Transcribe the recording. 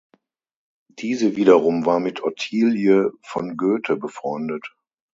Diese wiederum war mit Ottilie von Goethe befreundet.